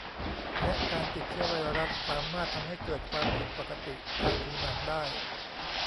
และการติดเชื้อไวรัสสามารถทำให้เกิดความผิดปกติทางผิวหนังได้